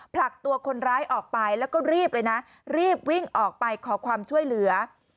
ผลักตัวคนร้ายออกไปแล้วก็รีบเลยนะรีบวิ่งออกไปขอความช่วยเหลือ